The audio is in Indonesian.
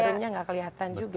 starinnya gak kelihatan juga